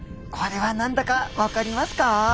これは何だかわかりますか？